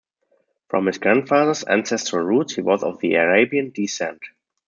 From his grandfather's ancestral roots, he was of the Arabian descent.